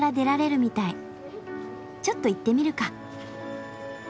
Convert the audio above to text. ちょっと行ってみるか。